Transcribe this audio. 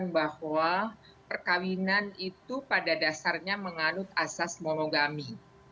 bahwa perkawinan itu pada dasarnya mengalut asas monogami